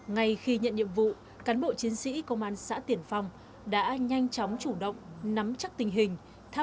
ngay khi nhận nhiệm vụ cán bộ chiến sĩ công an xã tiển phong đã nhanh chóng chủ động nắm chắc tình hình